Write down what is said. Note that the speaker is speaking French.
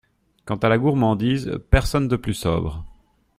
Quant à la gourmandise, personne de plus sobre.